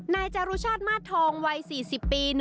นายจารุชาติมาสทองวัย๔๐ปี